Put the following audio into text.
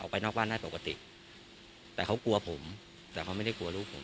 ไปนอกบ้านได้ปกติแต่เขากลัวผมแต่เขาไม่ได้กลัวลูกผม